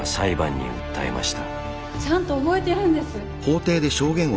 ちゃんと覚えてるんです！